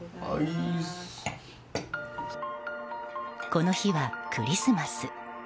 この日はクリスマス。